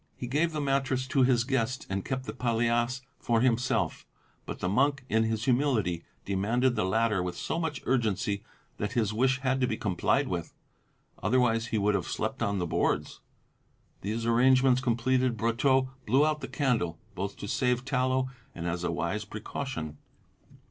He gave the mattress to his guest and kept the palliasse for himself; but the monk in his humility demanded the latter with so much urgency that his wish had to be complied with; otherwise he would have slept on the boards. These arrangements completed, Brotteaux blew out the candle both to save tallow and as a wise precaution.